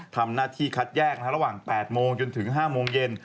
ทำหน้าที่คัดแยกระหว่าง๘โมงจนถึง๕โมงเย็น